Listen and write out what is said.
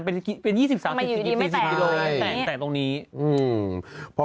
เป็น๒๓๔๐กิโลเมตรแต่ตรงนี้อืม